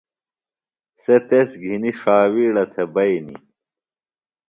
سےۡ تس گِھنی ݜاویڑہ تھےۡ بئینیۡ۔